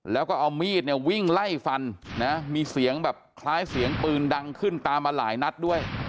แล้วก็เอามีดเนี่ยวิ่งไล่ฟันนะมีเสียงแบบคล้ายเสียงปืนดังขึ้นตามมาหลายนัดด้วย